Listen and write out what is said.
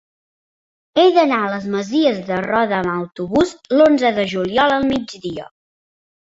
He d'anar a les Masies de Roda amb autobús l'onze de juliol al migdia.